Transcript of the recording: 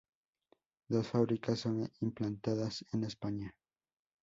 Dos fábricas son implantadas en España.